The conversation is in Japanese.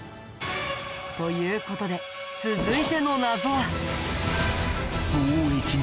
という事で続いての謎は。